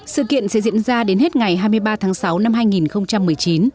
sự kiện sẽ diễn ra đến hết ngày hai mươi ba tháng sáu năm hai nghìn một mươi chín